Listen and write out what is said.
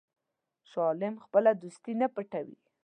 شاه عالم خپله دوستي نه پټوي.